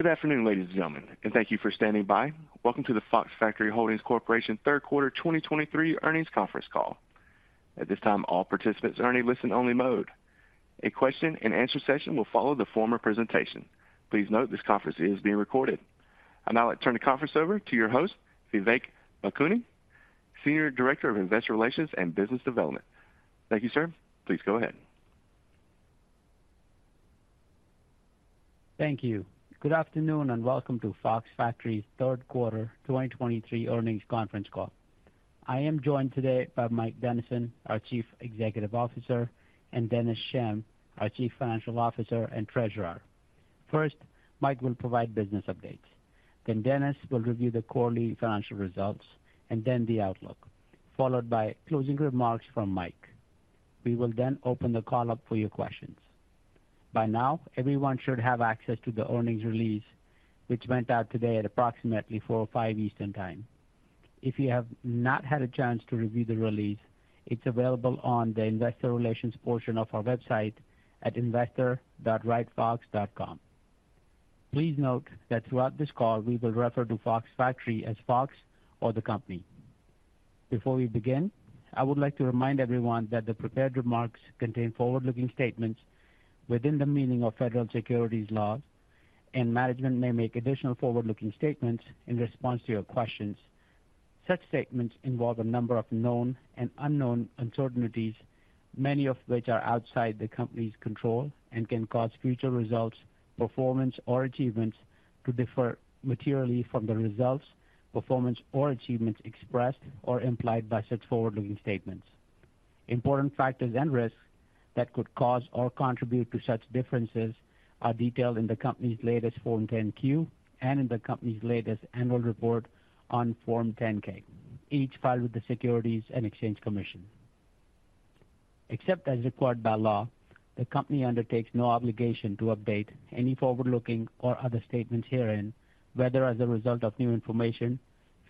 Good afternoon, ladies and gentlemen, and thank you for standing by. Welcome to the Fox Factory Holding Corp. third quarter 2023 earnings conference call. At this time, all participants are in a listen-only mode. A question-and-answer session will follow the formal presentation. Please note, this conference is being recorded. I'd now like to turn the conference over to your host, Vivek Bhakuni, Senior Director of Investor Relations and Business Development. Thank you, sir. Please go ahead. Thank you. Good afternoon, and welcome to Fox Factory's third quarter 2023 earnings conference call. I am joined today by Mike Dennison, our Chief Executive Officer, and Dennis Schemm, our Chief Financial Officer and Treasurer. First, Mike will provide business updates. Then Dennis will review the quarterly financial results and then the outlook, followed by closing remarks from Mike. We will then open the call up for your questions. By now, everyone should have access to the earnings release, which went out today at approximately 4 or 5 Eastern Time. If you have not had a chance to review the release, it's available on the investor relations portion of our website at investor.ridefox.com. Please note that throughout this call, we will refer to Fox Factory as Fox or the company. Before we begin, I would like to remind everyone that the prepared remarks contain forward-looking statements within the meaning of federal securities laws, and management may make additional forward-looking statements in response to your questions. Such statements involve a number of known and unknown uncertainties, many of which are outside the company's control and can cause future results, performance, or achievements to differ materially from the results, performance, or achievements expressed or implied by such forward-looking statements. Important factors and risks that could cause or contribute to such differences are detailed in the company's latest Form 10-Q and in the company's latest annual report on Form 10-K, each filed with the Securities and Exchange Commission. Except as required by law, the company undertakes no obligation to update any forward-looking or other statements herein, whether as a result of new information,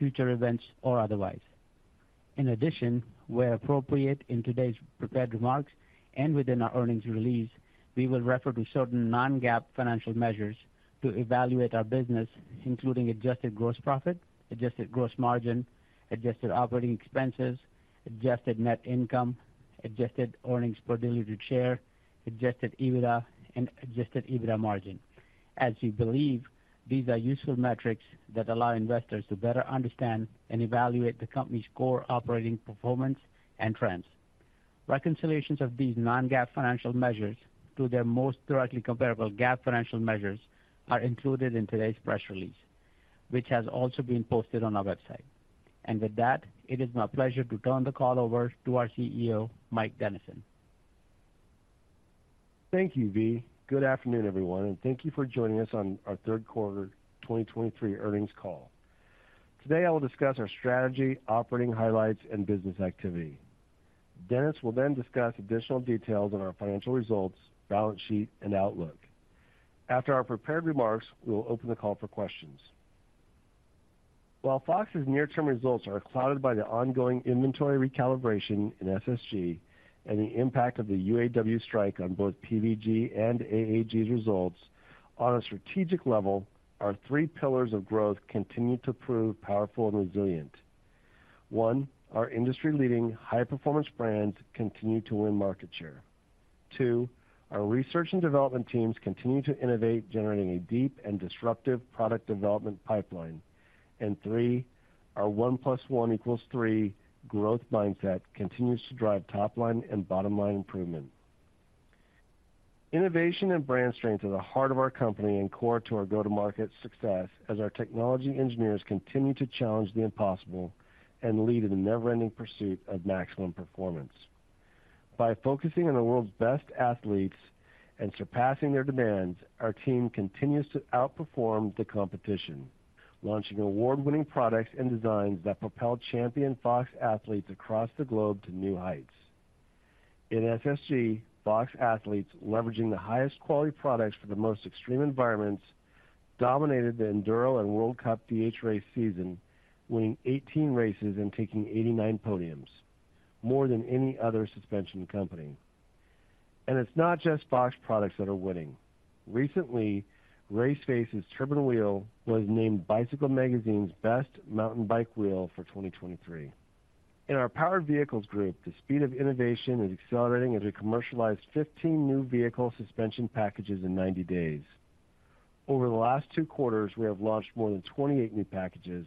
future events, or otherwise. In addition, where appropriate, in today's prepared remarks and within our earnings release, we will refer to certain non-GAAP financial measures to evaluate our business, including adjusted gross profit, adjusted gross margin, adjusted operating expenses, adjusted net income, adjusted earnings per diluted share, adjusted EBITDA, and adjusted EBITDA margin. As we believe, these are useful metrics that allow investors to better understand and evaluate the company's core operating performance and trends. Reconciliations of these non-GAAP financial measures to their most directly comparable GAAP financial measures are included in today's press release, which has also been posted on our website. With that, it is my pleasure to turn the call over to our CEO, Mike Dennison. Thank you, Vivek. Good afternoon, everyone, and thank you for joining us on our third quarter 2023 earnings call. Today, I will discuss our strategy, operating highlights, and business activity. Dennis will then discuss additional details on our financial results, balance sheet, and outlook. After our prepared remarks, we will open the call for questions. While Fox's near-term results are clouded by the ongoing inventory recalibration in FSG and the impact of the UAW strike on both PVG and AAG's results, on a strategic level, our three pillars of growth continue to prove powerful and resilient. One, our industry-leading high-performance brands continue to win market share. Two, our research and development teams continue to innovate, generating a deep and disruptive product development pipeline. And three, our 1 + 1 = 3 growth mindset continues to drive top-line and bottom-line improvement. Innovation and brand strength are the heart of our company and core to our go-to-market success as our technology engineers continue to challenge the impossible and lead in the never-ending pursuit of maximum performance. By focusing on the world's best athletes and surpassing their demands, our team continues to outperform the competition, launching award-winning products and designs that propel champion Fox athletes across the globe to new heights. In FSG, Fox athletes, leveraging the highest quality products for the most extreme environments, dominated the Enduro and World Cup DH race season, winning 18 races and taking 89 podiums, more than any other suspension company. And it's not just Fox products that are winning. Recently, Race Face's Turbine Wheel was named Bicycling Magazine best mountain bike wheel for 2023. In our Powered Vehicles Group, the speed of innovation is accelerating as we commercialize 15 new vehicle suspension packages in 90 days. Over the last 2 quarters, we have launched more than 28 new packages,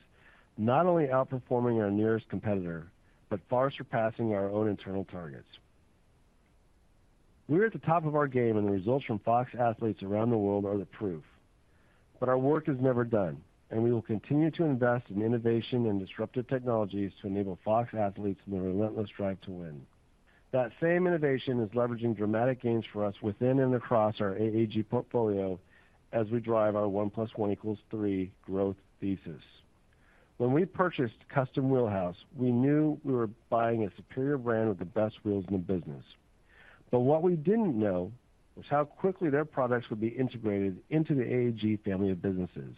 not only outperforming our nearest competitor, but far surpassing our own internal targets. We are at the top of our game, and the results from Fox athletes around the world are the proof. But our work is never done, and we will continue to invest in innovation and disruptive technologies to enable Fox athletes in the relentless drive to win. That same innovation is leveraging dramatic gains for us within and across our AAG portfolio as we drive our 1 + 1 = 3 growth thesis. When we purchased Custom Wheel House, we knew we were buying a superior brand with the best wheels in the business. But what we didn't know was how quickly their products would be integrated into the AAG family of businesses...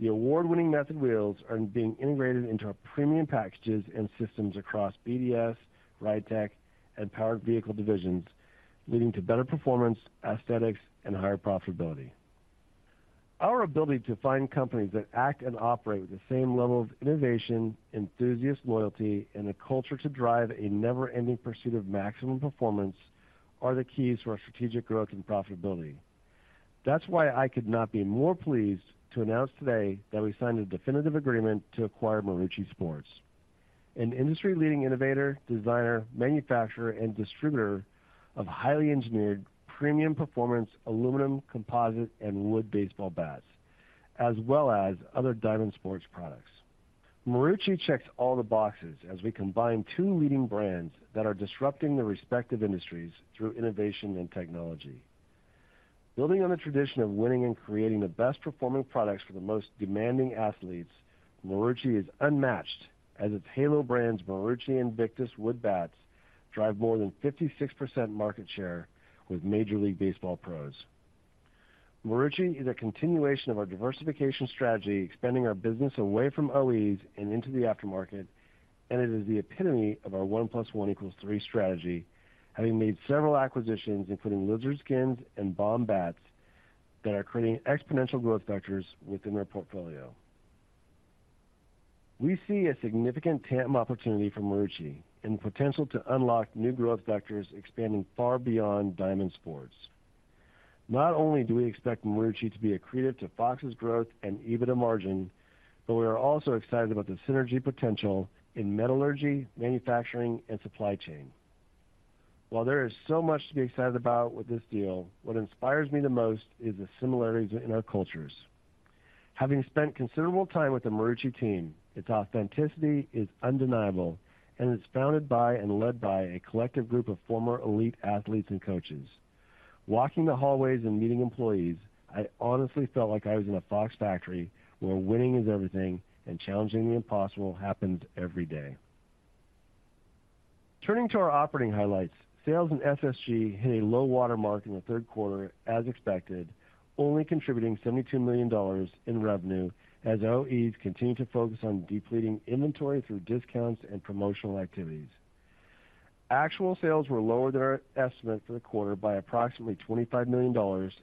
The award-winning Method wheels are being integrated into our premium packages and systems across BDS, RideTech, and Powered Vehicle divisions, leading to better performance, aesthetics, and higher profitability. Our ability to find companies that act and operate with the same level of innovation, enthusiast loyalty, and a culture to drive a never-ending pursuit of maximum performance are the keys to our strategic growth and profitability. That's why I could not be more pleased to announce today that we signed a definitive agreement to acquire Marucci Sports, an industry-leading innovator, designer, manufacturer, and distributor of highly engineered, premium performance, aluminum, composite, and wood baseball bats, as well as other diamond sports products. Marucci checks all the boxes as we combine two leading brands that are disrupting their respective industries through innovation and technology. Building on the tradition of winning and creating the best performing products for the most demanding athletes, Marucci is unmatched as its Halo brands, Marucci and Victus wood bats, drive more than 56% market share with Major League Baseball pros. Marucci is a continuation of our diversification strategy, expanding our business away from OEs and into the aftermarket, and it is the epitome of our one plus one equals three strategy, having made several acquisitions, including Lizard Skins and Baum Bats, that are creating exponential growth vectors within our portfolio. We see a significant TAM opportunity for Marucci and the potential to unlock new growth vectors expanding far beyond diamond sports. Not only do we expect Marucci to be accretive to Fox's growth and EBITDA margin, but we are also excited about the synergy potential in metallurgy, manufacturing, and supply chain. While there is so much to be excited about with this deal, what inspires me the most is the similarities in our cultures. Having spent considerable time with the Marucci team, its authenticity is undeniable, and it's founded by and led by a collective group of former elite athletes and coaches. Walking the hallways and meeting employees, I honestly felt like I was in a Fox factory, where winning is everything and challenging the impossible happens every day. Turning to our operating highlights, sales in FSG hit a low water mark in the third quarter as expected, only contributing $72 million in revenue, as OEs continued to focus on depleting inventory through discounts and promotional activities. Actual sales were lower than our estimate for the quarter by approximately $25 million,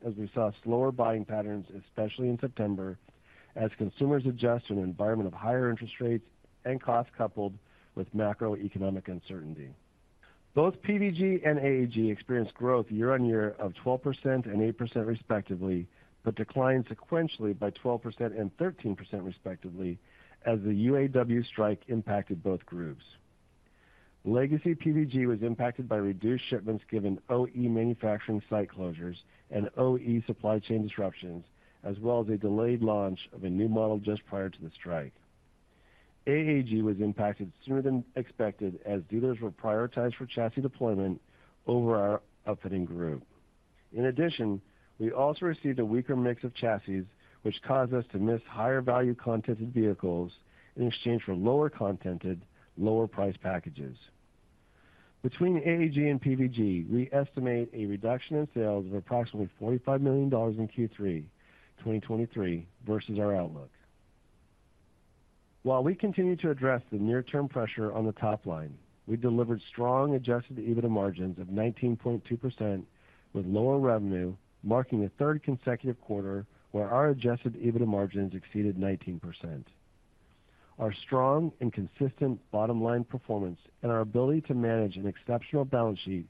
as we saw slower buying patterns, especially in September, as consumers adjust to an environment of higher interest rates and costs, coupled with macroeconomic uncertainty. Both PVG and AAG experienced growth year-on-year of 12% to 8%, respectively, but declined sequentially by 12% to 13%, respectively, as the UAW strike impacted both groups. Legacy PVG was impacted by reduced shipments, given OE manufacturing site closures and OE supply chain disruptions, as well as a delayed launch of a new model just prior to the strike. AAG was impacted sooner than expected, as dealers were prioritized for chassis deployment over our outfitting group. In addition, we also received a weaker mix of chassis, which caused us to miss higher value content vehicles in exchange for lower content, lower priced packages. Between AAG and PVG, we estimate a reduction in sales of approximately $45 million in Q3 2023 versus our outlook. While we continue to address the near-term pressure on the top line, we delivered strong Adjusted EBITDA margins of 19.2% with lower revenue, marking the third consecutive quarter where our Adjusted EBITDA margins exceeded 19%. Our strong and consistent bottom-line performance and our ability to manage an exceptional balance sheet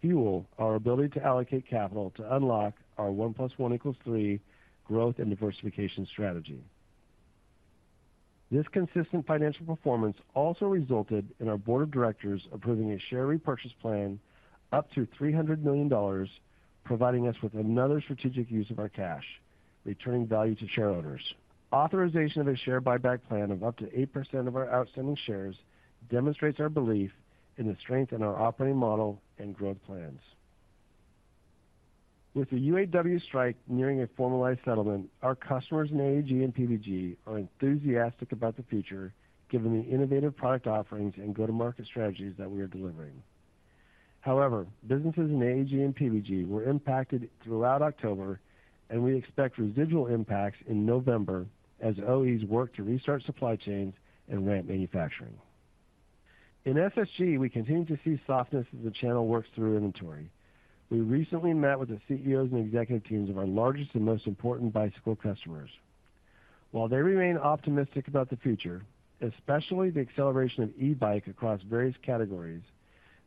fuel our ability to allocate capital to unlock our one plus one equals three growth and diversification strategy. This consistent financial performance also resulted in our board of directors approving a share repurchase plan up to $300 million, providing us with another strategic use of our cash, returning value to shareholders. Authorization of a share buyback plan of up to 8% of our outstanding shares demonstrates our belief in the strength in our operating model and growth plans. With the UAW strike nearing a formalized settlement, our customers in AAG and PVG are enthusiastic about the future, given the innovative product offerings and go-to-market strategies that we are delivering. However, businesses in AAG and PVG were impacted throughout October, and we expect residual impacts in November as OEs work to restart supply chains and ramp manufacturing. In FSG, we continue to see softness as the channel works through inventory. We recently met with the CEOs and executive teams of our largest and most important bicycle customers. While they remain optimistic about the future, especially the acceleration of e-bike across various categories,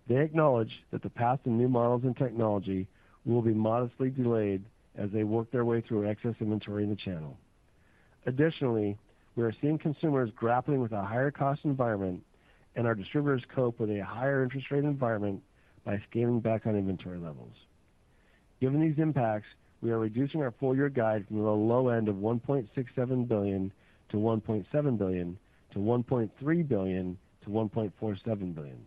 they acknowledge that the path to new models and technology will be modestly delayed as they work their way through excess inventory in the channel. Additionally, we are seeing consumers grappling with a higher cost environment and our distributors cope with a higher interest rate environment by scaling back on inventory levels. Given these impacts, we are reducing our full year guide from the low end of $1.67 billion to $1.7 billion, to $1.3 billion to $1.47 billion.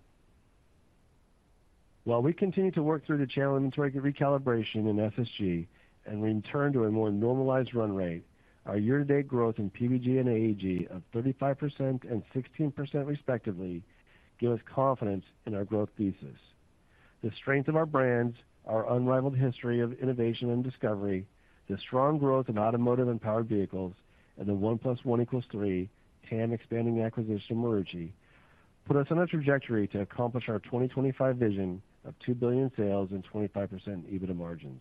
While we continue to work through the channel inventory recalibration in FSG and return to a more normalized run rate, our year-to-date growth in PVG and AAG of 35% to 16%, respectively, give us confidence in our growth thesis. The strength of our brands, our unrivaled history of innovation and discovery, the strong growth in automotive and powered vehicles, and the one + one equals three, TAM expanding the acquisition of Marucci, put us on a trajectory to accomplish our 2025 vision of $2 billion sales and 25% EBITDA margins.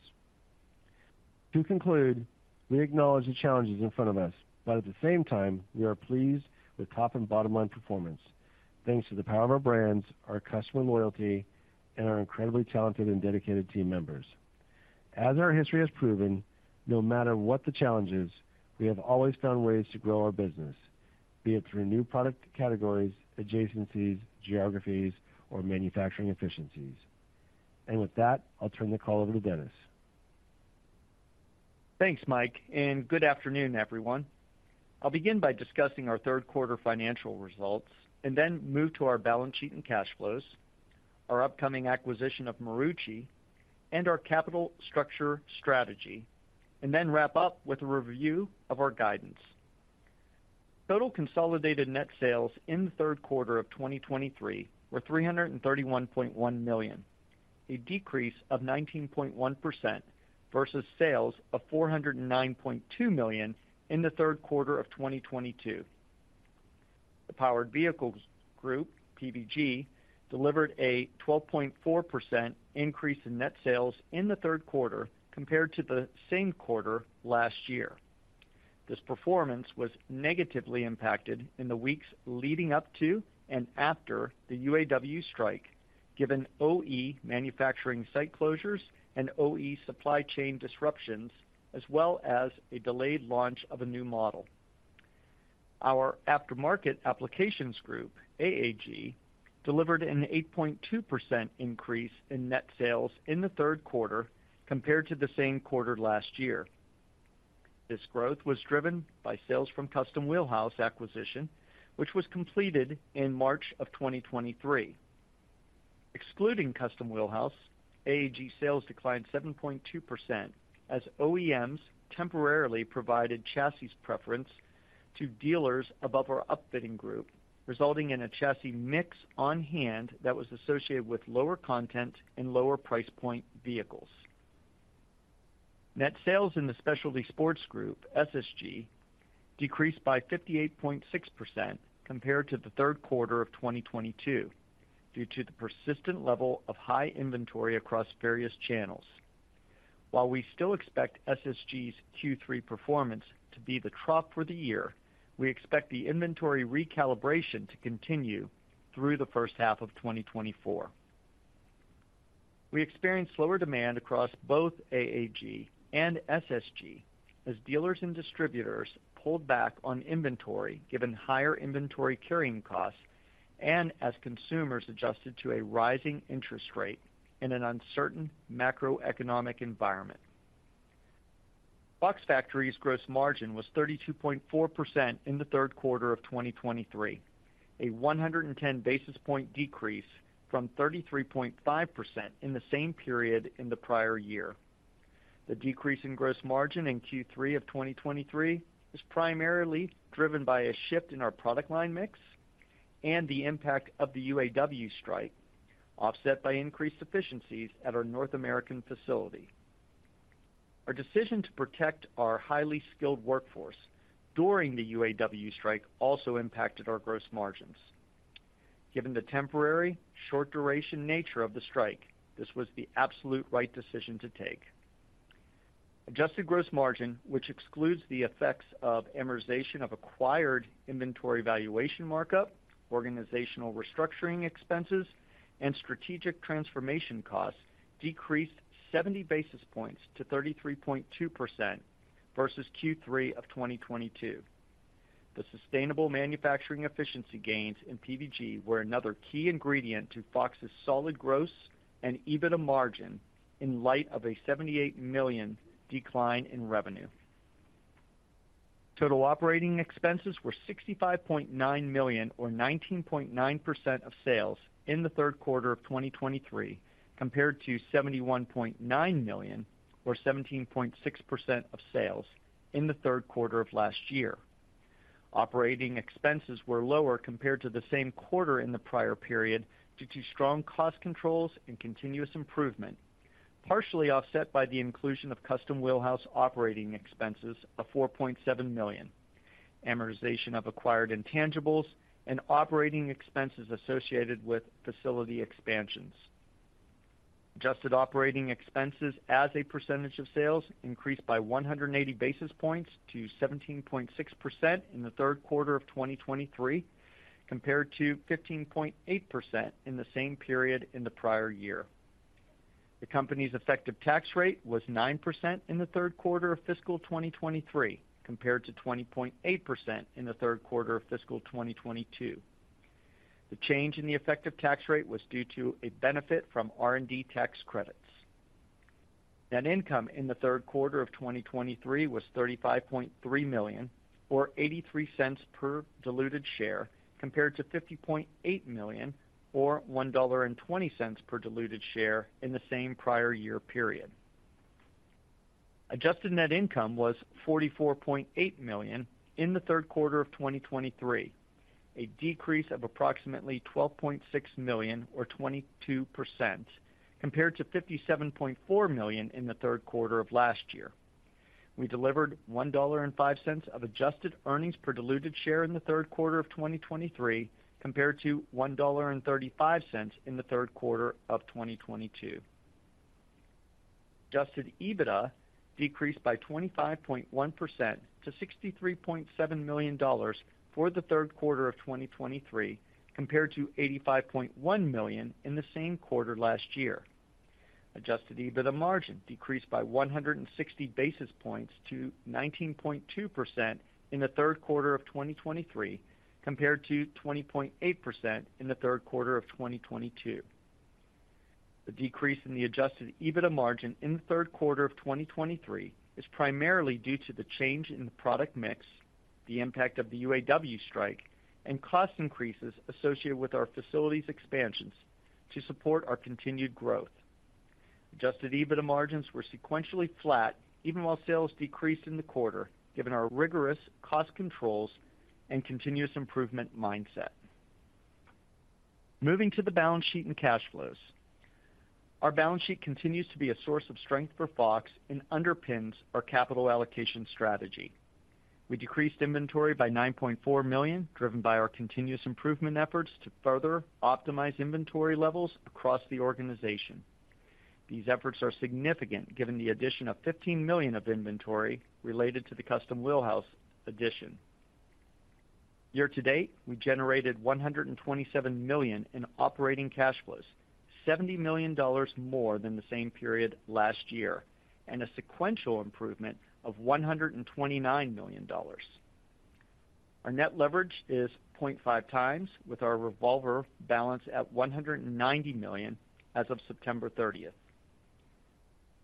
To conclude, we acknowledge the challenges in front of us, but at the same time, we are pleased with top and bottom line performance, thanks to the power of our brands, our customer loyalty, and our incredibly talented and dedicated team members. As our history has proven, no matter what the challenge is, we have always found ways to grow our business, be it through new product categories, adjacencies, geographies, or manufacturing efficiencies. With that, I'll turn the call over to Dennis. Thanks, Mike, and good afternoon, everyone. I'll begin by discussing our third quarter financial results and then move to our balance sheet and cash flows, our upcoming acquisition of Marucci, and our capital structure strategy, and then wrap up with a review of our guidance. Total consolidated net sales in the third quarter of 2023 were $331.1 million, a decrease of 19.1% versus sales of $409.2 million in the third quarter of 2022. The Powered Vehicles Group, PVG, delivered a 12.4% increase in net sales in the third quarter compared to the same quarter last year. This performance was negatively impacted in the weeks leading up to and after the UAW strike, given OE manufacturing site closures and OE supply chain disruptions, as well as a delayed launch of a new model. Our Aftermarket Applications Group, AAG, delivered an 8.2% increase in net sales in the third quarter compared to the same quarter last year. This growth was driven by sales from Custom Wheel House acquisition, which was completed in March 2023. Excluding Custom Wheel House, AAG sales declined 7.2% as OEMs temporarily provided chassis preference to dealers above our upfitting group, resulting in a chassis mix on hand that was associated with lower content and lower price point vehicles. Net sales in the Specialty Sports Group, SSG, decreased by 58.6% compared to the third quarter of 2022, due to the persistent level of high inventory across various channels. While we still expect SSG's Q3 performance to be the trough for the year, we expect the inventory recalibration to continue through the first half of 2024. We experienced slower demand across both AAG and SSG as dealers and distributors pulled back on inventory, given higher inventory carrying costs and as consumers adjusted to a rising interest rate in an uncertain macroeconomic environment. Fox Factory's gross margin was 32.4% in the third quarter of 2023, a 110 basis point decrease from 33.5% in the same period in the prior year. The decrease in gross margin in Q3 of 2023 is primarily driven by a shift in our product line mix and the impact of the UAW strike, offset by increased efficiencies at our North American facility. Our decision to protect our highly skilled workforce during the UAW strike also impacted our gross margins. Given the temporary, short-duration nature of the strike, this was the absolute right decision to take. Adjusted gross margin, which excludes the effects of amortization of acquired inventory valuation markup, organizational restructuring expenses, and strategic transformation costs, decreased 70 basis points to 33.2% versus Q3 of 2022. The sustainable manufacturing efficiency gains in PVG were another key ingredient to Fox's solid gross and EBITDA margin in light of a $78 million decline in revenue. Total operating expenses were $65.9 million or 19.9% of sales in the third quarter of 2023, compared to $71.9 million or 17.6% of sales in the third quarter of last year. Operating expenses were lower compared to the same quarter in the prior period, due to strong cost controls and continuous improvement, partially offset by the inclusion of Custom Wheel House operating expenses of $4.7 million, amortization of acquired intangibles and operating expenses associated with facility expansions. Adjusted operating expenses as a percentage of sales increased by 100 basis points to 17.6% in the third quarter of 2023, compared to 15.8% in the same period in the prior year. The company's effective tax rate was 9% in the third quarter of fiscal 2023, compared to 20.8% in the third quarter of fiscal 2022. The change in the effective tax rate was due to a benefit from R&D tax credits. Net income in the third quarter of 2023 was $35.3 million to $0.83 per diluted share, compared to $50.8 million or $1.20 per diluted share in the same prior year period. Adjusted net income was $44.8 million in the third quarter of 2023, a decrease of approximately $12.6 million, or 22%, compared to $57.4 million in the third quarter of last year. We delivered $1.05 of adjusted earnings per diluted share in the third quarter of 2023, compared to $1.35 in the third quarter of 2022. Adjusted EBITDA decreased by 25.1% to $63.7 million for the third quarter of 2023, compared to $85.1 million in the same quarter last year. Adjusted EBITDA margin decreased by 160 basis points to 19.2% in the third quarter of 2023, compared to 20.8% in the third quarter of 2022. The decrease in the adjusted EBITDA margin in the third quarter of 2023 is primarily due to the change in the product mix, the impact of the UAW strike, and cost increases associated with our facilities expansions to support our continued growth. Adjusted EBITDA margins were sequentially flat, even while sales decreased in the quarter, given our rigorous cost controls and continuous improvement mindset. Moving to the balance sheet and cash flows. Our balance sheet continues to be a source of strength for Fox and underpins our capital allocation strategy. We decreased inventory by $9.4 million, driven by our continuous improvement efforts to further optimize inventory levels across the organization. These efforts are significant, given the addition of $15 million of inventory related to the Custom Wheel House addition. Year to date, we generated $127 million in operating cash flows, $70 million more than the same period last year, and a sequential improvement of $129 million. Our net leverage is 0.5 times, with our revolver balance at $190 million as of September 30.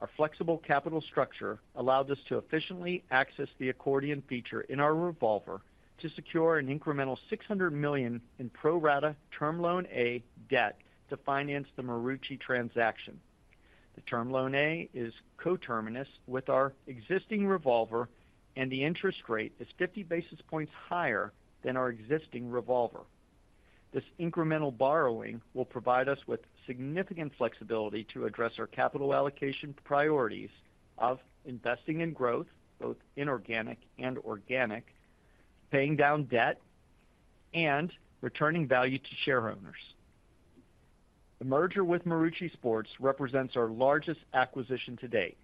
Our flexible capital structure allowed us to efficiently access the accordion feature in our revolver to secure an incremental $600 million in pro rata Term Loan A debt to finance the Marucci transaction. The Term Loan A is coterminous with our existing revolver, and the interest rate is 50 basis points higher than our existing revolver. This incremental borrowing will provide us with significant flexibility to address our capital allocation priorities of investing in growth, both inorganic and organic, paying down debt, and returning value to shareowners. The merger with Marucci Sports represents our largest acquisition to date.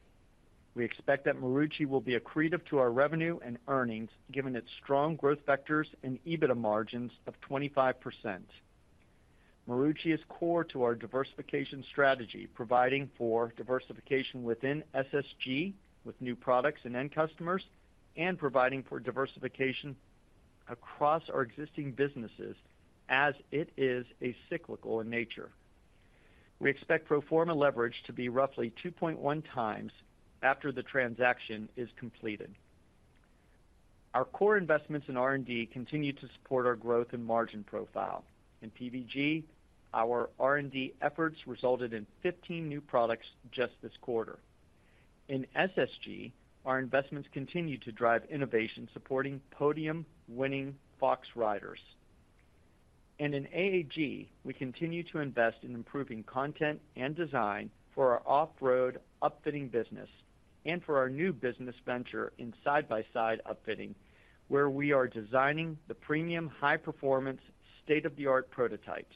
We expect that Marucci will be accretive to our revenue and earnings, given its strong growth vectors and EBITDA margins of 25%. Marucci is core to our diversification strategy, providing for diversification within SSG with new products and end customers, and providing for diversification across our existing businesses as it is acyclical in nature. We expect pro forma leverage to be roughly 2.1 times after the transaction is completed. Our core investments in R&D continue to support our growth and margin profile. In PVG, our R&D efforts resulted in 15 new products just this quarter. In SSG, our investments continue to drive innovation, supporting podium-winning Fox riders. In AAG, we continue to invest in improving content and design for our off-road upfitting business and for our new business venture in side-by-side upfitting, where we are designing the premium, high-performance, state-of-the-art prototypes.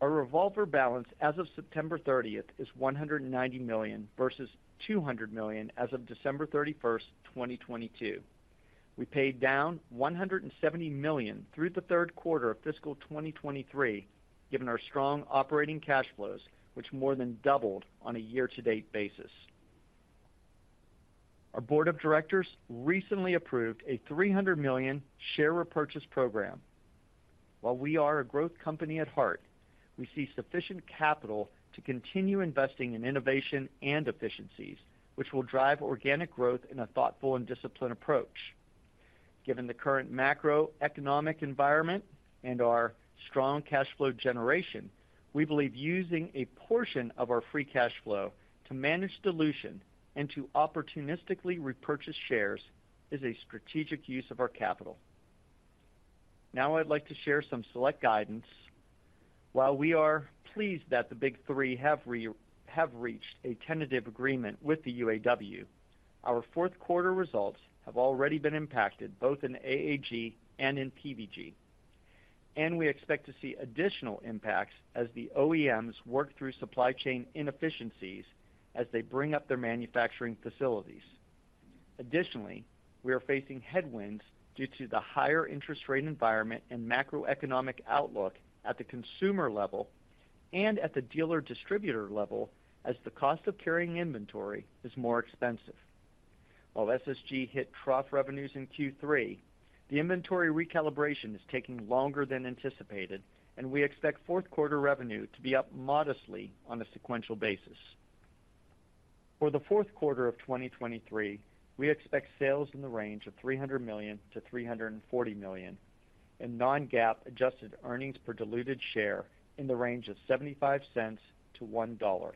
Our revolver balance as of September 30th is $190 million versus $200 million as of December 31st, 2022. We paid down $170 million through the third quarter of fiscal 2023, given our strong operating cash flows, which more than doubled on a year-to-date basis. Our board of directors recently approved a $300 million share repurchase program. While we are a growth company at heart, we see sufficient capital to continue investing in innovation and efficiencies, which will drive organic growth in a thoughtful and disciplined approach. Given the current macroeconomic environment and our strong cash flow generation, we believe using a portion of our free cash flow to manage dilution and to opportunistically repurchase shares is a strategic use of our capital. Now, I'd like to share some select guidance. While we are pleased that the Big Three have reached a tentative agreement with the UAW, our fourth quarter results have already been impacted, both in AAG and in PVG, and we expect to see additional impacts as the OEMs work through supply chain inefficiencies as they bring up their manufacturing facilities. Additionally, we are facing headwinds due to the higher interest rate environment and macroeconomic outlook at the consumer level and at the dealer distributor level, as the cost of carrying inventory is more expensive. While SSG hit trough revenues in Q3, the inventory recalibration is taking longer than anticipated, and we expect fourth quarter revenue to be up modestly on a sequential basis. For the fourth quarter of 2023, we expect sales in the range of $300 million-$340 million and non-GAAP adjusted earnings per diluted share in the range of $0.75 to $1.00. For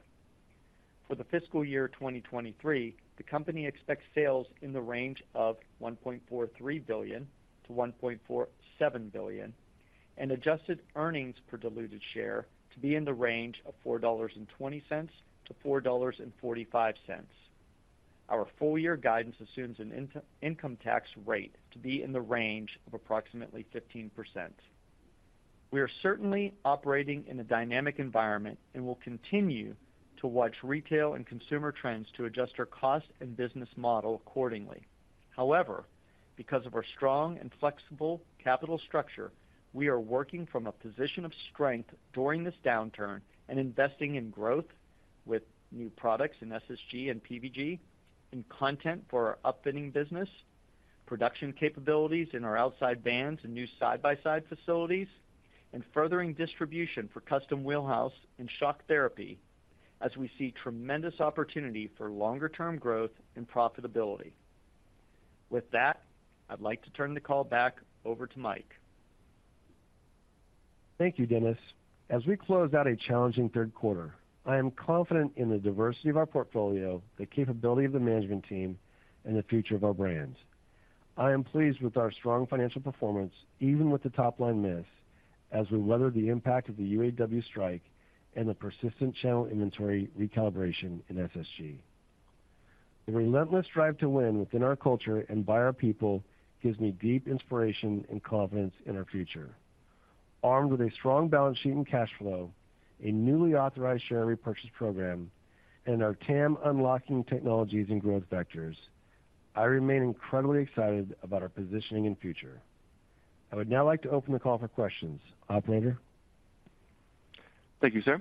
the fiscal year 2023, the company expects sales in the range of $1.43 billion to $1.47 billion, and adjusted earnings per diluted share to be in the range of $4.20 to $4.45. Our full year guidance assumes an effective income tax rate to be in the range of approximately 15%. We are certainly operating in a dynamic environment and will continue to watch retail and consumer trends to adjust our cost and business model accordingly. However, because of our strong and flexible capital structure, we are working from a position of strength during this downturn and investing in growth with new products in SSG and PVG, in content for our upfitting business, production capabilities in our Outside Van and new side-by-side facilities, and furthering distribution for Custom Wheel House and Shock Therapy as we see tremendous opportunity for longer term growth and profitability. With that, I'd like to turn the call back over to Mike. Thank you, Dennis. As we close out a challenging third quarter, I am confident in the diversity of our portfolio, the capability of the management team, and the future of our brands. I am pleased with our strong financial performance, even with the top line miss, as we weather the impact of the UAW strike and the persistent channel inventory recalibration in SSG. The relentless drive to win within our culture and by our people gives me deep inspiration and confidence in our future. Armed with a strong balance sheet and cash flow, a newly authorized share repurchase program, and our TAM unlocking technologies and growth vectors, I remain incredibly excited about our positioning and future. I would now like to open the call for questions. Operator? Thank you, sir.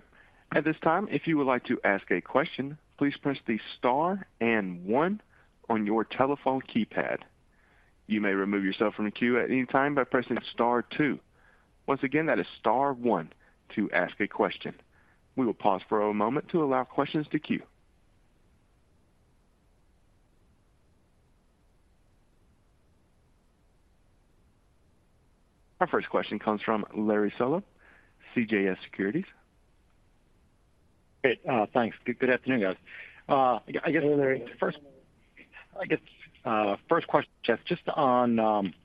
At this time, if you would like to ask a question, please press the star and one on your telephone keypad. You may remove yourself from the queue at any time by pressing star two. Once again, that is star one to ask a question. We will pause for a moment to allow questions to queue. Our first question comes from Larry Solow, CJS Securities. Great, thanks. Good afternoon, guys. I guess- Hey, Larry. First, I guess, first question, Jeff, just on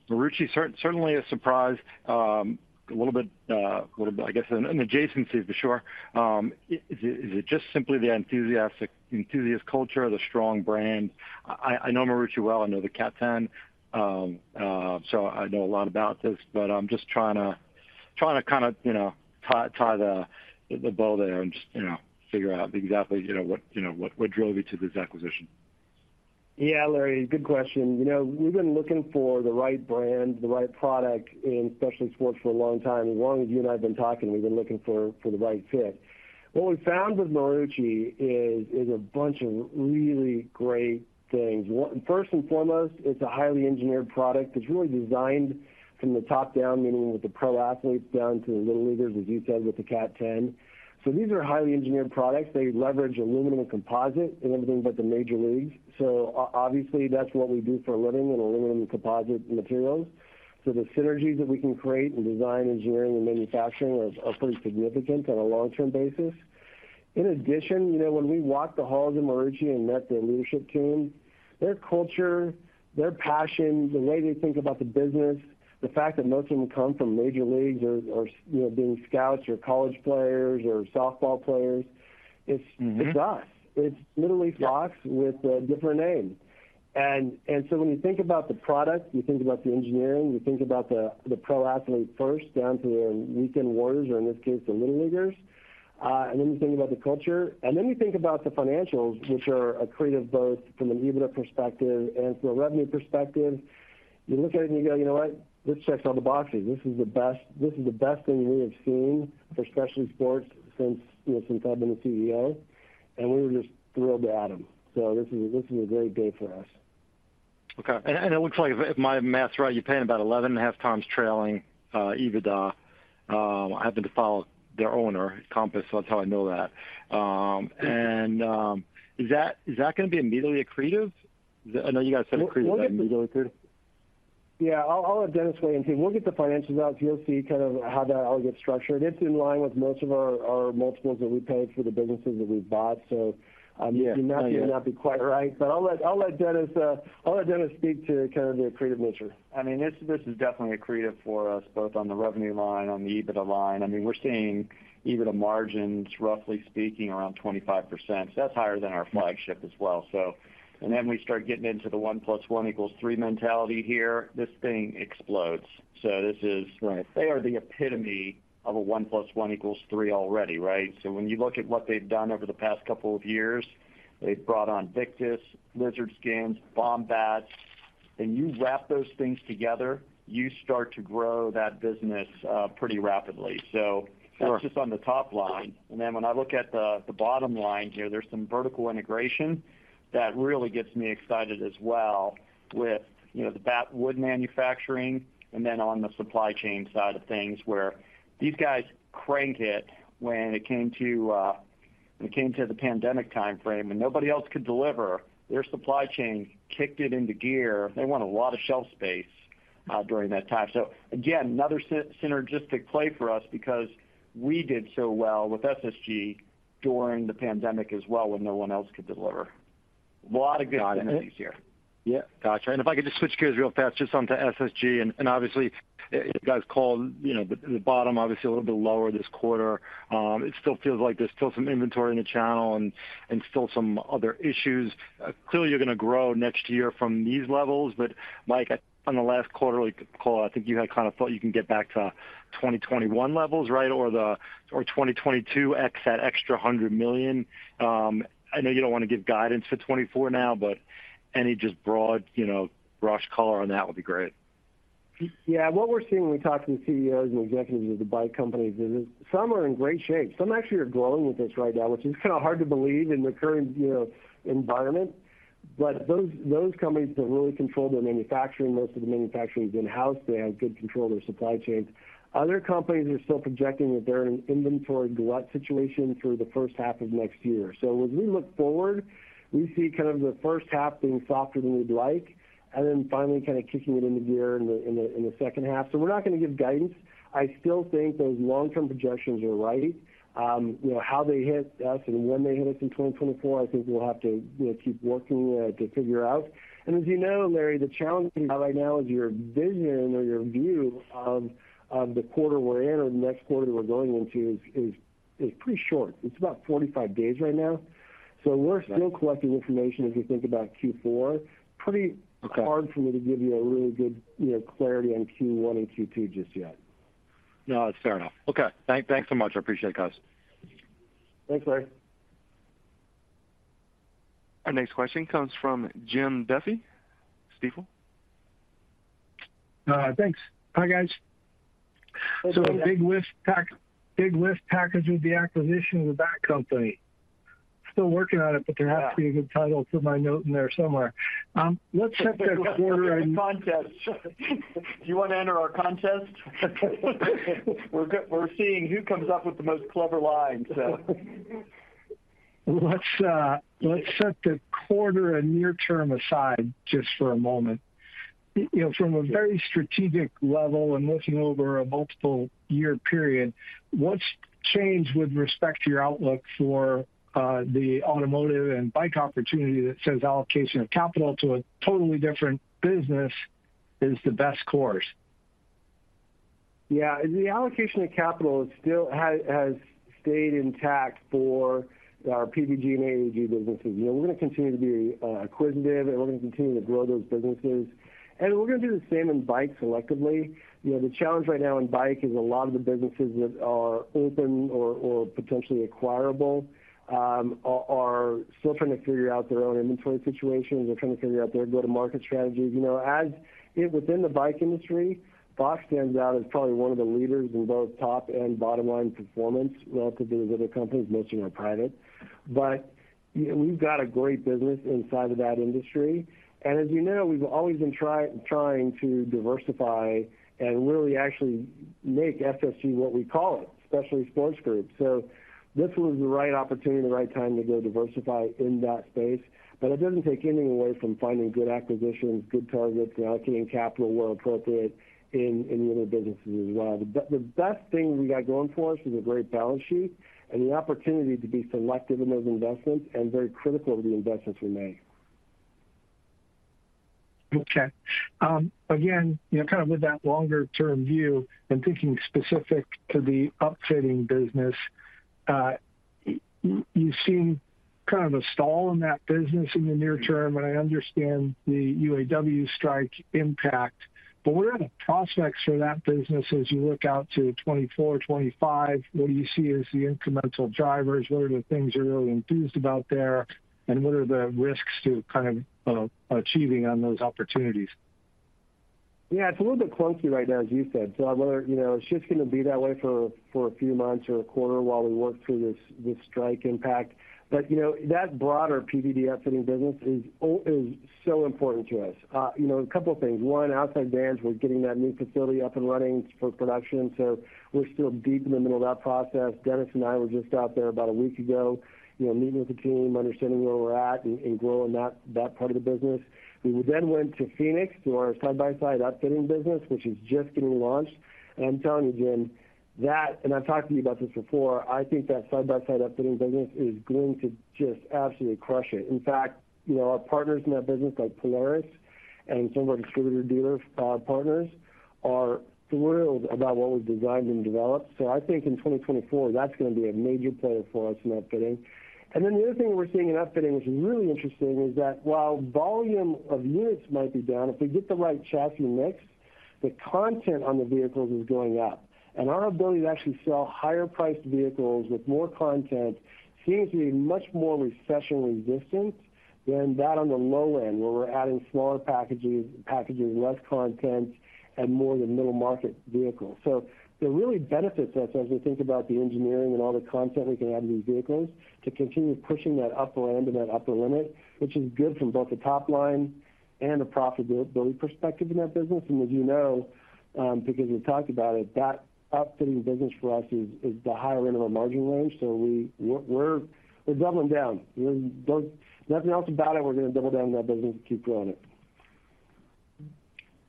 Marucci, certainly a surprise, a little bit, I guess, an adjacency for sure. Is it just simply the enthusiast culture, the strong brand? I know Marucci well, I know the CAT X, so I know a lot about this, but I'm just trying to kind of, you know, tie the bow there and just, you know, figure out exactly, you know, what drove you to this acquisition. Yeah, Larry, good question. You know, we've been looking for the right brand, the right product in specialty sports for a long time. As long as you and I have been talking, we've been looking for the right fit. What we found with Marucci is a bunch of really great things. One. First and foremost, it's a highly engineered product. It's really designed from the top down, meaning with the pro athletes down to the little leaguers, as you said, with the CATX -10. So these are highly engineered products. They leverage aluminum and composite in everything but the major leagues. So obviously, that's what we do for a living, in aluminum and composite materials. So the synergies that we can create in design, engineering, and manufacturing are pretty significant on a long-term basis. In addition, you know, when we walked the halls of Marucci and met their leadership team, their culture, their passion, the way they think about the business, the fact that most of them come from major leagues or you know, being scouts or college players or softball players, it's. Mm-hmm. It's us. It's literally us. Yeah... with a different name. And, and so when you think about the product, you think about the engineering, you think about the, the pro athlete first, down to the weekend warriors, or in this case, the little leaguers, and then you think about the culture, and then you think about the financials, which are accretive, both from an EBITDA perspective and from a revenue perspective. You look at it and you go, "You know what? This checks all the boxes. This is the best, this is the best thing we have seen for specialty sports since, you know, since I've been the CEO," and we were just thrilled to add them. So this is, this is a great day for us. Okay. And it looks like, if my math is right, you're paying about 11.5 times trailing EBITDA. I happen to follow their owner, Compass, so that's how I know that. And is that going to be immediately accretive? I know you guys said accretive. Is that immediately accretive? Yeah, I'll, I'll let Dennis weigh in, too. We'll get the financials out. You'll see kind of how that all gets structured. It's in line with most of our, our multiples that we paid for the businesses that we've bought. So, Yeah. It might not be quite right, but I'll let Dennis speak to kind of the accretive nature. I mean, this, this is definitely accretive for us, both on the revenue line, on the EBITDA line. I mean, we're seeing EBITDA margins, roughly speaking, around 25%. So that's higher than our flagship as well, so... And then we start getting into the one plus one equals three mentality here, this thing explodes. So this is- Right. They are the epitome of a one plus one equals three already, right? So when you look at what they've done over the past couple of years, they've brought on Victus, Lizard Skins, Baum Bats, and you wrap those things together, you start to grow that business pretty rapidly. So- Sure... that's just on the top line. And then when I look at the bottom line here, there's some vertical integration that really gets me excited as well with, you know, the bat wood manufacturing, and then on the supply chain side of things, where these guys cranked it when it came to,... When it came to the pandemic time frame, and nobody else could deliver, their supply chain kicked it into gear. They won a lot of shelf space during that time. So again, another synergistic play for us because we did so well with SSG during the pandemic as well, when no one else could deliver. A lot of good synergies here. Yeah, got you. And if I could just switch gears real fast, just onto SSG, and obviously, you guys called, you know, the bottom, obviously, a little bit lower this quarter. It still feels like there's still some inventory in the channel and still some other issues. Clearly, you're gonna grow next year from these levels, but Mike, on the last quarterly call, I think you had kind of thought you can get back to 2021 levels, right? Or 2022, ex that extra $100 million. I know you don't wanna give guidance for 2024 now, but any just broad, you know, brush color on that would be great. Yeah, what we're seeing when we talk to the CEOs and executives of the bike companies is some are in great shape. Some actually are growing with us right now, which is kind of hard to believe in the current, you know, environment. But those companies that really control their manufacturing, most of the manufacturing is in-house, they have good control of their supply chains. Other companies are still projecting that they're in an inventory glut situation through the first half of next year. So as we look forward, we see kind of the first half being softer than we'd like, and then finally kind of kicking it into gear in the second half. So we're not gonna give guidance. I still think those long-term projections are right. You know, how they hit us and when they hit us in 2024, I think we'll have to, you know, keep working to figure out. And as you know, Larry, the challenge right now is your vision or your view of the quarter we're in or the next quarter we're going into is pretty short. It's about 45 days right no Right. We're still collecting information as we think about Q4. Okay. Pretty hard for me to give you a really good, you know, clarity on Q1 and Q2 just yet. No, it's fair enough. Okay, thanks so much. I appreciate it, guys. Thanks, Larry. Our next question comes from Jim Duffy, Stifel. Thanks. Hi, guys. Hello. So a big lift package with the acquisition of the bat company. Still working on it- Yeah... but there has to be a good title for my note in there somewhere. Let's set the quarter and- Contest. Do you wanna enter our contest? We're seeing who comes up with the most clever line, so. Let's set the quarter and near term aside just for a moment. You know, from a very strategic level and looking over a multiple year period, what's changed with respect to your outlook for the automotive and bike opportunity that says allocation of capital to a totally different business is the best course? Yeah, the allocation of capital is still, has stayed intact for our PVG and AAG businesses. You know, we're gonna continue to be acquisitive, and we're gonna continue to grow those businesses, and we're gonna do the same in bike selectively. You know, the challenge right now in bike is a lot of the businesses that are open or potentially acquirable are still trying to figure out their own inventory situations. They're trying to figure out their go-to-market strategies. You know, as within the bike industry, Bosch stands out as probably one of the leaders in both top and bottom line performance relative to the other companies, most of them are private. You know, we've got a great business inside of that industry, and as you know, we've always been trying to diversify and really actually make SSG what we call it, Specialty Sports Group. This was the right opportunity and the right time to go diversify in that space. It doesn't take anything away from finding good acquisitions, good targets, and allocating capital where appropriate in the other businesses as well. The best thing we got going for us is a great balance sheet and the opportunity to be selective in those investments and very critical of the investments we make. Okay, again, you know, kind of with that longer-term view and thinking specific to the upfitting business, you've seen kind of a stall in that business in the near term, and I understand the UAW strike impact. But what are the prospects for that business as you look out to 2024, 2025? What do you see as the incremental drivers? What are the things you're really enthused about there, and what are the risks to kind of achieving on those opportunities? Yeah, it's a little bit clunky right now, as you said. So I whether, you know, it's just gonna be that way for a few months or a quarter while we work through this strike impact. But, you know, that broader PVG upfitting business is so important to us. You know, a couple of things: One, Outside Van, we're getting that new facility up and running for production, so we're still deep in the middle of that process. Dennis and I were just out there about a week ago, you know, meeting with the team, understanding where we're at and growing that part of the business. We then went to Phoenix, to our side-by-side upfitting business, which is just getting launched. I'm telling you, Jim, that, and I've talked to you about this before, I think that side-by-side upfitting business is going to just absolutely crush it. In fact, you know, our partners in that business, like Polaris and some of our distributor dealer partners, are thrilled about what we've designed and developed. I think in 2024, that's gonna be a major player for us in upfitting. Then the other thing we're seeing in upfitting, which is really interesting, is that while volume of units might be down, if we get the right chassis mix, the content on the vehicles is going up. Our ability to actually sell higher priced vehicles with more content seems to be much more recession resistant than that on the low end, where we're adding smaller packages, less content and more the middle market vehicles. So it really benefits us as we think about the engineering and all the content we can add to these vehicles, to continue pushing that upper end of that upper limit, which is good from both a top line and a profitability perspective in that business. And as you know, because we talked about it, outfitting business for us is the higher end of our margin range. So we're doubling down. We're nothing else about it, we're going to double down on that business and keep growing it.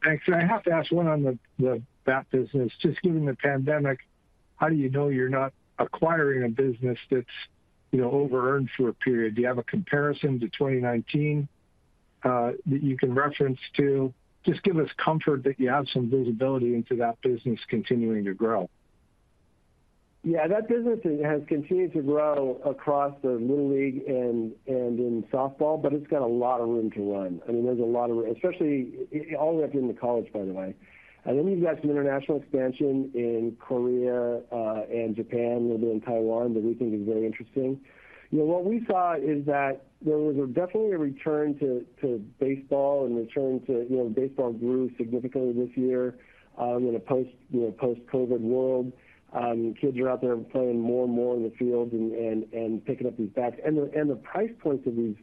Thanks. I have to ask one on the bat business. Just given the pandemic, how do you know you're not acquiring a business that's, you know, overearned for a period? Do you have a comparison to 2019 that you can reference to? Just give us comfort that you have some visibility into that business continuing to grow. Yeah, that business has continued to grow across the Little League and in softball, but it's got a lot of room to run. I mean, there's a lot of room, especially all the way up into college, by the way. And then we've got some international expansion in Korea and Japan, a little bit in Taiwan, that we think is very interesting. You know, what we saw is that there was definitely a return to baseball and return to baseball grew significantly this year in a post-COVID world. Kids are out there playing more and more in the field and picking up these bats. And the price points of these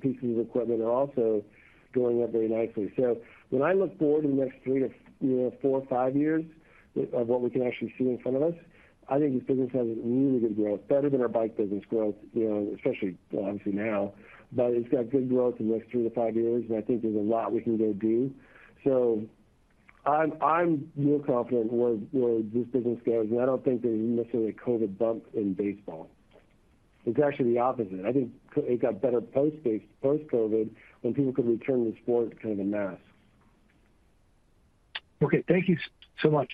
pieces of equipment are also going up very nicely. So when I look forward in the next 3 to, you know, 4 or 5 years of what we can actually see in front of us, I think this business has really good growth, better than our bike business growth, you know, especially obviously now. But it's got good growth in the next 3 to 5 years, and I think there's a lot we can go do. So I'm real confident where this business goes, and I don't think there's necessarily a COVID bump in baseball. It's actually the opposite. I think it got better post-baseball, post-COVID, when people could return to the sport kind of en masse. Okay, thank you so much.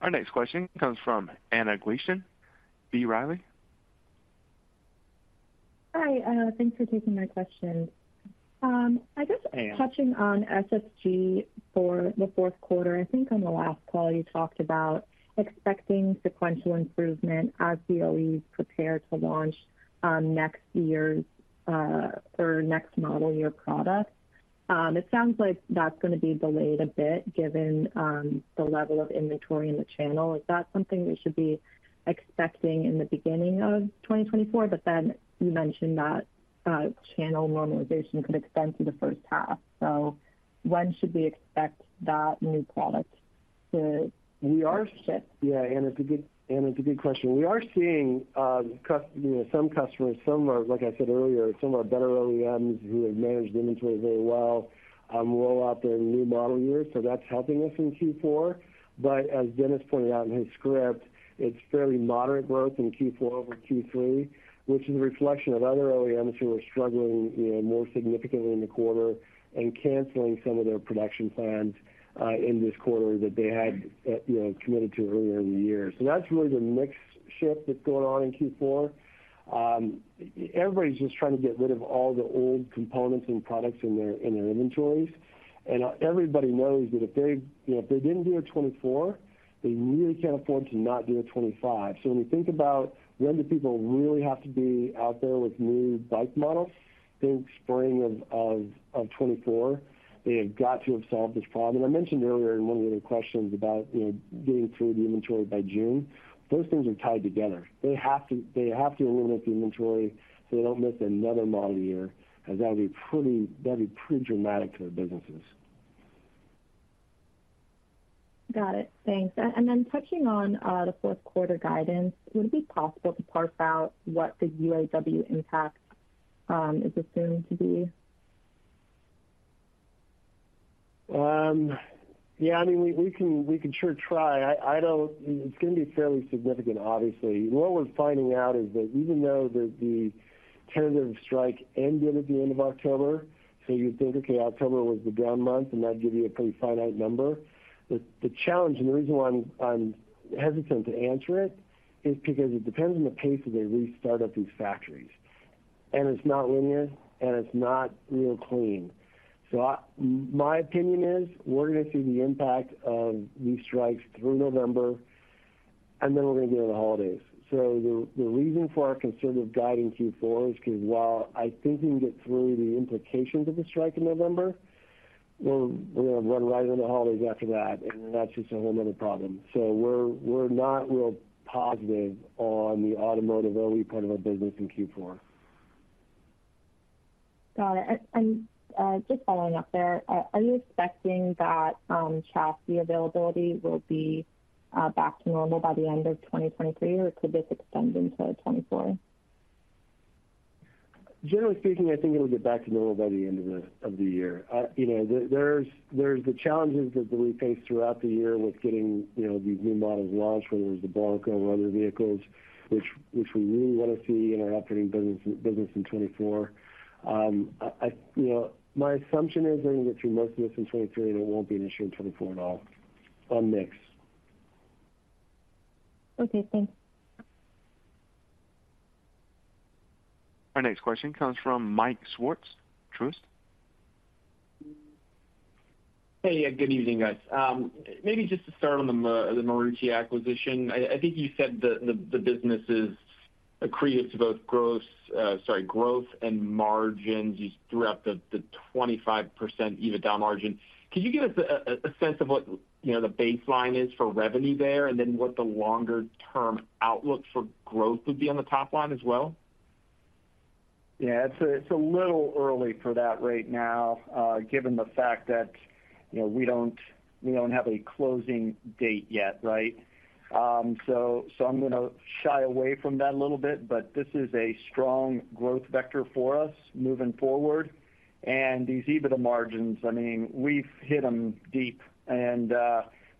Our next question comes from Anna Gleason, B. Riley. Hi, thanks for taking my question. I guess- Hey, Anna. Touching on SSG for the fourth quarter, I think on the last call, you talked about expecting sequential improvement as OEMs prepare to launch next year's or next model year product. It sounds like that's going to be delayed a bit given the level of inventory in the channel. Is that something we should be expecting in the beginning of 2024? But then you mentioned that channel normalization could extend through the first half. So when should we expect that new product to- We are seeing- -ship? Yeah, Anna, it's a good question. We are seeing, you know, some customers, some are, like I said earlier, some are better OEMs who have managed inventory very well, roll out their new model year, so that's helping us in Q4. But as Dennis pointed out in his script, it's fairly moderate growth in Q4 over Q3, which is a reflection of other OEMs who are struggling, you know, more significantly in the quarter and canceling some of their production plans, in this quarter that they had, you know, committed to earlier in the year. So that's really the mixed shift that's going on in Q4. Everybody's just trying to get rid of all the old components and products in their, in their inventories. And everybody knows that if they, you know, if they didn't do a 2024, they really can't afford to not do a 2025. So when we think about when do people really have to be out there with new bike models, think spring of 2024, they have got to have solved this problem. And I mentioned earlier in one of the questions about, you know, getting through the inventory by June. Those things are tied together. They have to eliminate the inventory, so they don't miss another model year, as that'll be pretty, that'd be pretty dramatic to their businesses. Got it. Thanks. And then touching on the fourth quarter guidance, would it be possible to parse out what the UAW impact is assumed to be? Yeah, I mean, we can sure try. I don't. It's going to be fairly significant, obviously. What we're finding out is that even though the tentative strike ended at the end of October, so you'd think, okay, October was the down month, and that'd give you a pretty finite number. The challenge and the reason why I'm hesitant to answer it is because it depends on the pace that they restart up these factories. And it's not linear, and it's not real clean. So my opinion is, we're going to see the impact of these strikes through November, and then we're going to get to the holidays. So the reason for our conservative guide in Q4 is because while I think we can get through the implications of the strike in November, we're going to run right into the holidays after that, and then that's just a whole another problem. So we're not real positive on the automotive OE part of our business in Q4. Got it. And just following up there, are you expecting that chassis availability will be back to normal by the end of 2023, or could this extend into 2024? Generally speaking, I think it'll get back to normal by the end of the year. You know, there's the challenges that we faced throughout the year with getting, you know, these new models launched, whether it was the Bronco or other vehicles, which we really want to see in our operating business in 2024. You know, my assumption is, we're going to get through most of this in 2023, and it won't be an issue in 2024 at all or mixed. Okay, thanks. Our next question comes from Mike Swartz, Truist. Hey, yeah, good evening, guys. Maybe just to start on the Marucci acquisition. I think you said the business is accretive to both growth and margins just throughout the 25% EBITDA margin. Could you give us a sense of what, you know, the baseline is for revenue there, and then what the longer-term outlook for growth would be on the top line as well?... Yeah, it's a little early for that right now, given the fact that, you know, we don't, we don't have a closing date yet, right? So, I'm gonna shy away from that a little bit, but this is a strong growth vector for us moving forward. And these EBITDA margins, I mean, we've hit them deep, and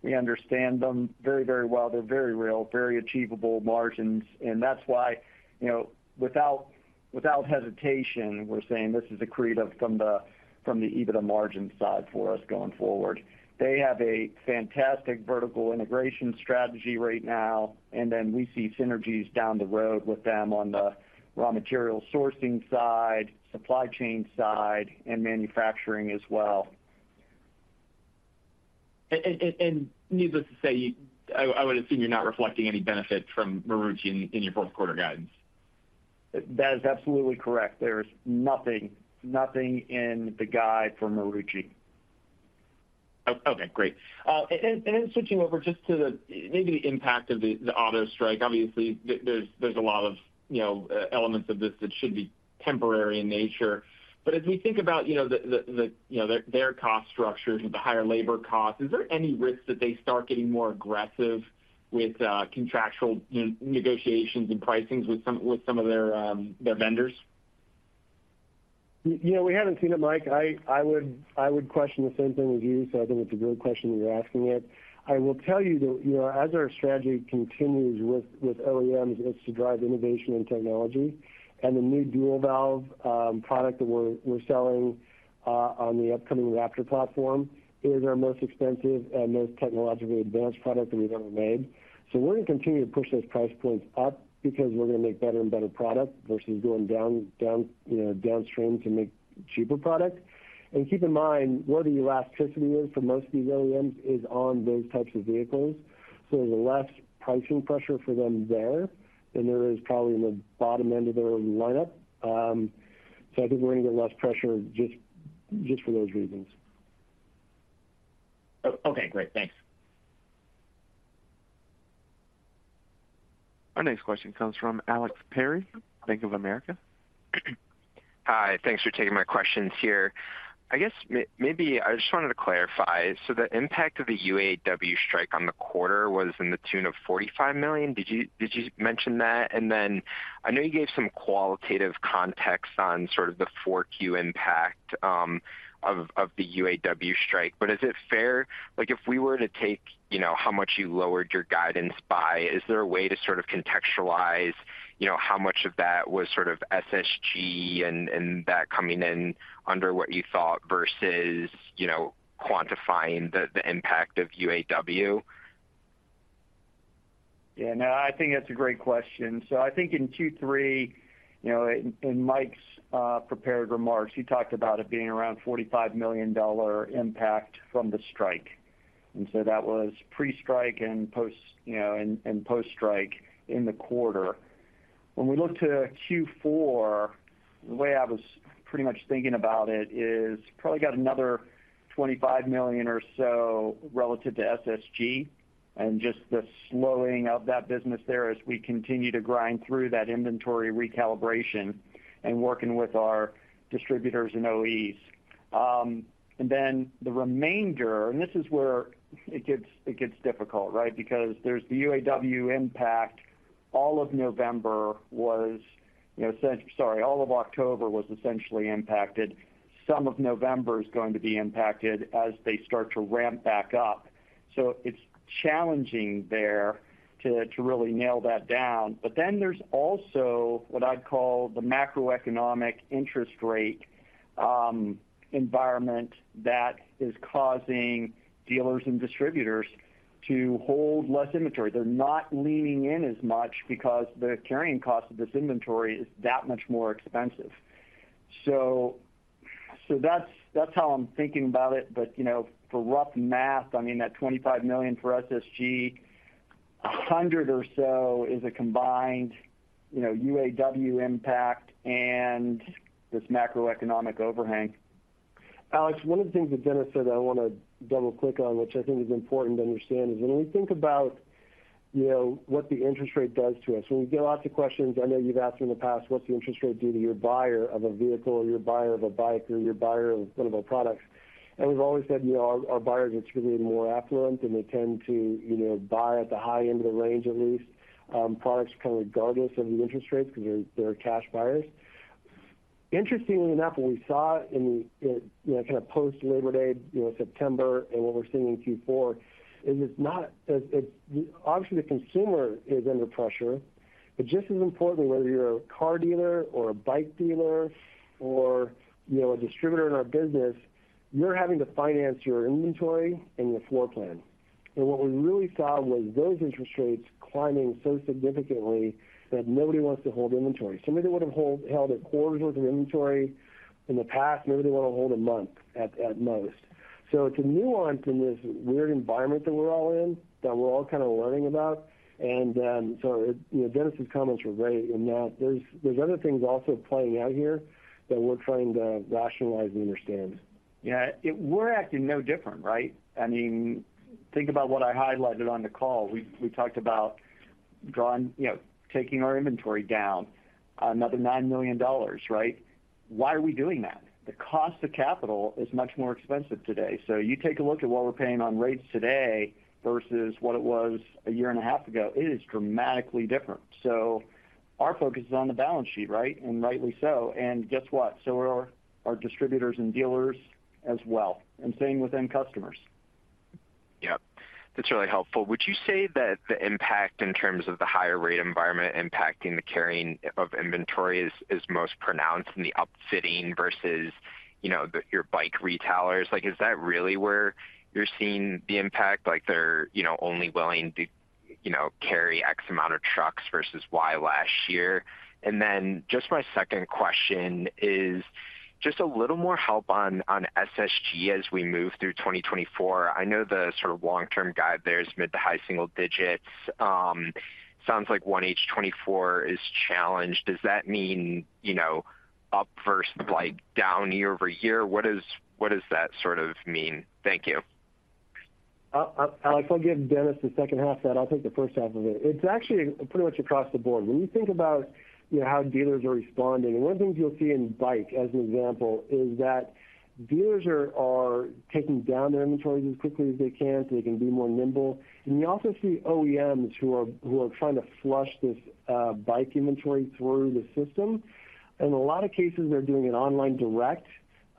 we understand them very, very well. They're very real, very achievable margins, and that's why, you know, without, without hesitation, we're saying this is accretive from the, from the EBITDA margin side for us going forward. They have a fantastic vertical integration strategy right now, and then we see synergies down the road with them on the raw material sourcing side, supply chain side, and manufacturing as well. Needless to say, I would assume you're not reflecting any benefit from Marucci in your fourth quarter guidance. That is absolutely correct. There is nothing, nothing in the guide for Marucci. Oh, okay, great. And then switching over just to maybe the impact of the auto strike. Obviously, there's a lot of, you know, elements of this that should be temporary in nature. But as we think about, you know, their cost structures and the higher labor costs, is there any risk that they start getting more aggressive with contractual negotiations and pricings with some of their vendors? You know, we haven't seen it, Mike. I would question the same thing as you, so I think it's a good question you're asking it. I will tell you that, you know, as our strategy continues with OEMs, it's to drive innovation and technology. And the new dual valve product that we're selling on the upcoming Raptor platform is our most expensive and most technologically advanced product that we've ever made. So we're gonna continue to push those price points up because we're gonna make better and better product, versus going down, you know, downstream to make cheaper products. And keep in mind, where the elasticity is for most of these OEMs is on those types of vehicles. So there's less pricing pressure for them there than there is probably in the bottom end of their lineup. So, I think we're gonna get less pressure just for those reasons. Okay, great. Thanks. Our next question comes from Alex Perry, Bank of America. Hi, thanks for taking my questions here. I guess maybe I just wanted to clarify. So the impact of the UAW strike on the quarter was in the tune of $45 million. Did you mention that? And then, I know you gave some qualitative context on sort of the 4Q impact of the UAW strike. But is it fair, like, if we were to take, you know, how much you lowered your guidance by, is there a way to sort of contextualize, you know, how much of that was sort of SSG and that coming in under what you thought, versus, you know, quantifying the impact of UAW? Yeah, no, I think that's a great question. So I think in Q3, you know, in, in Mike's prepared remarks, he talked about it being around $45 million impact from the strike. And so that was pre-strike and post, you know, and, and post-strike in the quarter. When we look to Q4, the way I was pretty much thinking about it is probably got another $25 million or so relative to SSG, and just the slowing of that business there as we continue to grind through that inventory recalibration and working with our distributors and OEs. And then the remainder, and this is where it gets, it gets difficult, right? Because there's the UAW impact. All of November was, you know, all of October was essentially impacted. Some of November is going to be impacted as they start to ramp back up. So it's challenging there to really nail that down. But then there's also what I'd call the macroeconomic interest rate environment that is causing dealers and distributors to hold less inventory. They're not leaning in as much because the carrying cost of this inventory is that much more expensive. So that's how I'm thinking about it. But, you know, for rough math, I mean, that $25 million for SSG, $100 or so is a combined, you know, UAW impact and this macroeconomic overhang. Alex, one of the things that Dennis said, I wanna double-click on, which I think is important to understand, is when we think about, you know, what the interest rate does to us, when we get lots of questions, I know you've asked in the past, what's the interest rate do to your buyer of a vehicle, or your buyer of a bike, or your buyer of one of our products? And we've always said, you know, our, our buyers are typically more affluent, and they tend to, you know, buy at the high end of the range, at least, products, kind of, regardless of the interest rates, because they're, they're cash buyers. Interestingly enough, what we saw in the, you know, kind of post-Labor Day, you know, September, and what we're seeing in Q4 is it's not-- obviously, the consumer is under pressure, but just as importantly, whether you're a car dealer or a bike dealer or, you know, a distributor in our business, you're having to finance your inventory and your floor plan. And what we really saw was those interest rates climbing so significantly that nobody wants to hold inventory. Somebody would have held a quarter's worth of inventory in the past, maybe they want to hold a month at most. So it's a nuance in this weird environment that we're all in, that we're all kind of learning about. And, so, you know, Dennis's comments were great in that there's other things also playing out here... that we're trying to rationalize and understand. Yeah, we're acting no different, right? I mean, think about what I highlighted on the call. We talked about drawing, you know, taking our inventory down another $9 million, right? Why are we doing that? The cost of capital is much more expensive today. So you take a look at what we're paying on rates today versus what it was a year and a half ago, it is dramatically different. So our focus is on the balance sheet, right? And rightly so. And guess what? So are our distributors and dealers as well, and same within customers. Yep, that's really helpful. Would you say that the impact in terms of the higher rate environment impacting the carrying of inventory is most pronounced in the upfitting versus, you know, the your bike retailers? Like, is that really where you're seeing the impact? Like, they're, you know, only willing to, you know, carry X amount of trucks versus Y last year. And then just my second question is just a little more help on, on SSG as we move through 2024. I know the sort of long-term guide there is mid- to high-single digits. Sounds like 1H 2024 is challenged. Does that mean, you know, up versus, like, down year-over-year? What does, what does that sort of mean? Thank you. Alex, I'll give Dennis the second half of that. I'll take the first half of it. It's actually pretty much across the board. When you think about, you know, how dealers are responding, and one of the things you'll see in bike, as an example, is that dealers are taking down their inventories as quickly as they can so they can be more nimble. You also see OEMs who are trying to flush this bike inventory through the system. In a lot of cases, they're doing it online direct,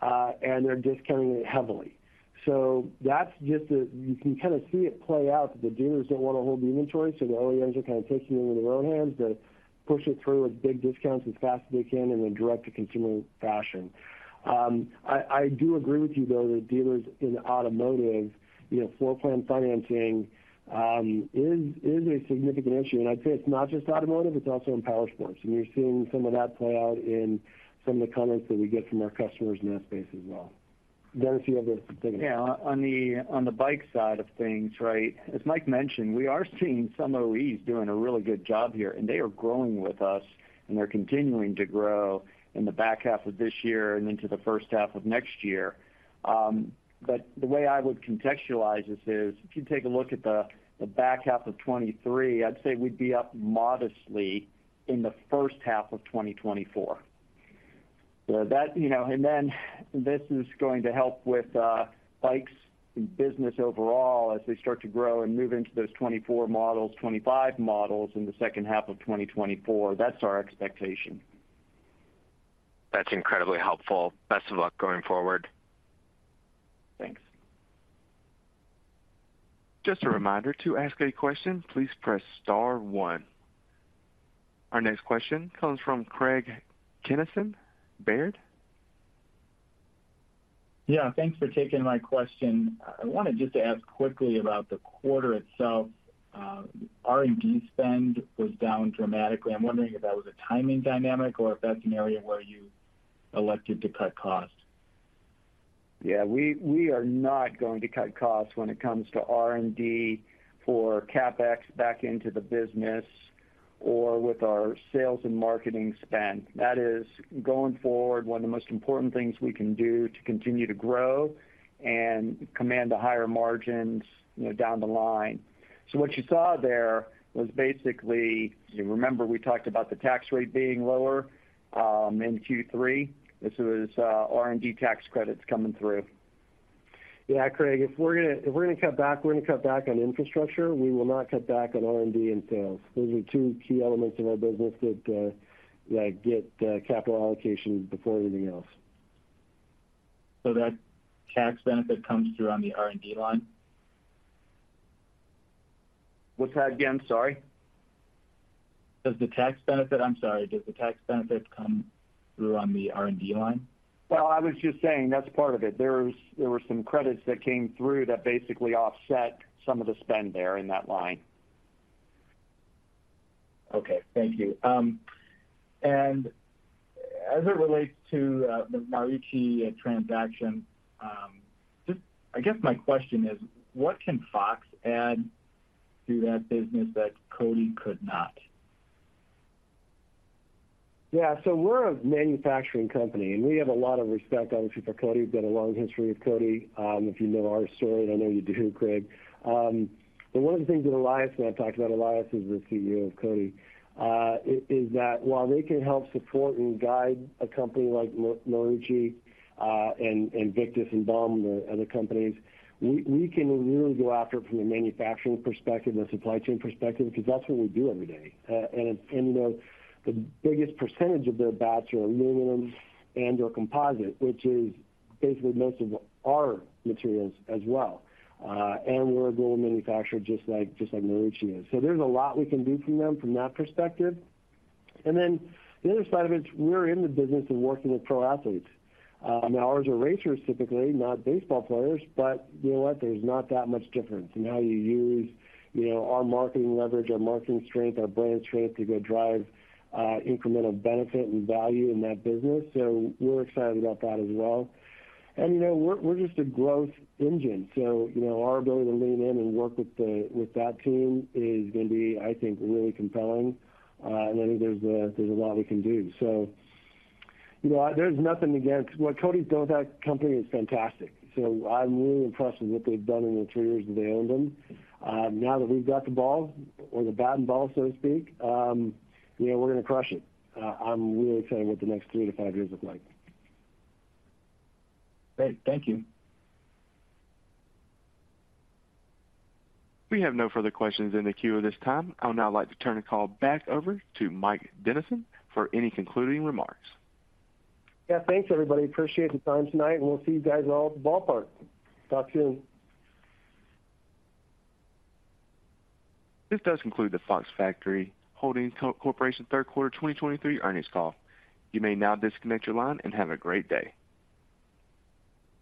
and they're discounting it heavily. So that's just. You can kind of see it play out, that the dealers don't want to hold the inventory, so the OEMs are kind of taking it into their own hands to push it through with big discounts as fast as they can in a direct-to-consumer fashion. I do agree with you, though, that dealers in automotive, you know, floorplan financing is a significant issue. And I'd say it's not just automotive, it's also in powersports. And we're seeing some of that play out in some of the comments that we get from our customers in that space as well. Dennis, you have the second half. Yeah, on the bike side of things, right, as Mike mentioned, we are seeing some OEs doing a really good job here, and they are growing with us, and they're continuing to grow in the back half of this year and into the first half of next year. But the way I would contextualize this is, if you take a look at the back half of 2023, I'd say we'd be up modestly in the first half of 2024. So that, you know, and then this is going to help with bikes and business overall as they start to grow and move into those 2024 models, 2025 models in the second half of 2024. That's our expectation. That's incredibly helpful. Best of luck going forward. Thanks. Just a reminder, to ask a question, please press star one. Our next question comes from Craig Kennison, Baird. Yeah, thanks for taking my question. I wanted just to ask quickly about the quarter itself. R&D spend was down dramatically. I'm wondering if that was a timing dynamic or if that's an area where you elected to cut costs? Yeah, we are not going to cut costs when it comes to R&D for CapEx back into the business or with our sales and marketing spend. That is, going forward, one of the most important things we can do to continue to grow and command the higher margins, you know, down the line. So what you saw there was basically, you remember we talked about the tax rate being lower in Q3. This was R&D tax credits coming through. Yeah, Craig, if we're gonna cut back, we're gonna cut back on infrastructure. We will not cut back on R&D and sales. Those are two key elements of our business that that get capital allocations before anything else. So that tax benefit comes through on the R&D line? What's that again? Sorry. Does the tax benefit... I'm sorry, does the tax benefit come through on the R&D line? Well, I was just saying that's part of it. There was, there were some credits that came through that basically offset some of the spend there in that line. Okay, thank you. As it relates to the Marucci transaction, just I guess my question is, what can Fox add to that business that CODI could not? Yeah, so we're a manufacturing company, and we have a lot of respect, obviously, for CODI. We've got a long history with CODI. If you know our story, and I know you do, Craig, but one of the things that Elias and I talked about, Elias is the CEO of CODI, is that while they can help support and guide a company like Marucci, and Victus and Baum, the other companies, we can really go after it from a manufacturing perspective and a supply chain perspective, because that's what we do every day. And you know, the biggest percentage of their bats are aluminum and/or composite, which is basically most of our materials as well. And we're a global manufacturer, just like Marucci is. So there's a lot we can do for them from that perspective. Then the other side of it, we're in the business of working with pro athletes. Ours are racers, typically, not baseball players, but you know what? There's not that much difference in how you use, you know, our marketing leverage, our marketing strength, our brand strength to go drive incremental benefit and value in that business. So we're excited about that as well. And, you know, we're just a growth engine. So, you know, our ability to lean in and work with the, with that team is going to be, I think, really compelling. And I think there's a lot we can do. So, you know, there's nothing against what CODI built, that company is fantastic. So I'm really impressed with what they've done in the three years that they owned them. Now that we've got the ball or the bat and ball, so to speak, you know, we're gonna crush it. I'm really excited what the next 3-5 years look like. Great. Thank you. We have no further questions in the queue at this time. I would now like to turn the call back over to Mike Dennison for any concluding remarks. Yeah, thanks, everybody. Appreciate the time tonight, and we'll see you guys all at the ballpark. Talk soon. This does conclude the Fox Factory Holding Corp. third quarter 2023 earnings call. You may now disconnect your line and have a great day.